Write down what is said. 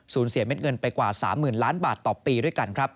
เสียเม็ดเงินไปกว่า๓๐๐๐ล้านบาทต่อปีด้วยกันครับ